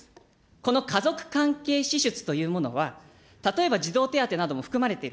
この家族関係支出というものは、例えば児童手当なども含まれている。